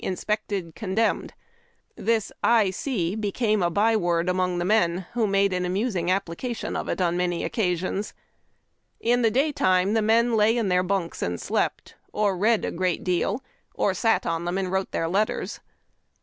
Inspected Condenmed. This I C became a byword among the men, who made an amusing application of it on many occasions. In the daytime the men lay in their bunks and slept, or read a great deal, or sat on them and wrote their letters.